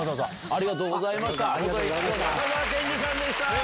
ありがとうございます。